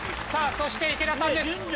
さあそして池田さんです。